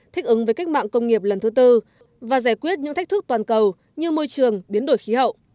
thích ứng với cách mạng công nghiệp lần thứ tư và giải quyết những thách thức toàn cầu như môi trường biến đổi khí hậu